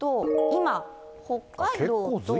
今、北海道と。